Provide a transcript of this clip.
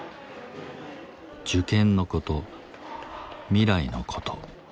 受験のこと未来のこと。